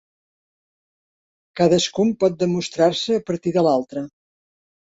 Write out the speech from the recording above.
Cadascun pot demostrar-se a partir de l'altre.